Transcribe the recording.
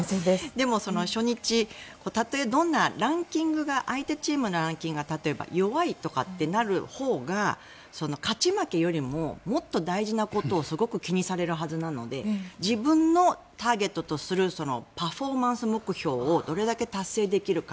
でも、初日たとえどんなランキングが相手チームのランキングが例えば弱いとかってなるほうが勝ち負けよりももっと大事なことをすごく気にされるはずなので自分のターゲットとするパフォーマンス目標をどれだけ達成できるか。